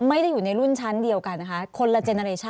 ไม่ได้อยู่ในรุ่นชั้นเดียวกันนะคะคนละเจนนาเรชั่น